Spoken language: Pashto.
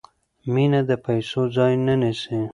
مینه د پیسو ځای نه نیسي.